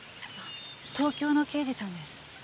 東京の刑事さんです。